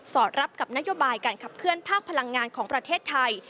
รับกับนโยบายการขับเคลื่อนภาคพลังงานของประเทศไทย